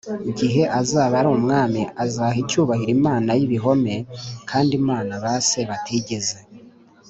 gihe azaba ari umwami azaha icyubahiro imana y ibihome Kandi imana ba se batigeze